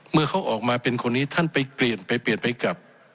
เมื่อเขาออกมาเป็นคนนี้ท่านไปเปลี่ยนไปเปลี่ยนไปกลับ